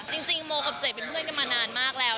จริงโมกับเจดเป็นเพื่อนกันมานานมากแล้ว